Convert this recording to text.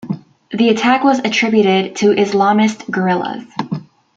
The attack was attributed to Islamist guerrillas.